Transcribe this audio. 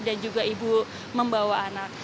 dan juga ibu membawa anak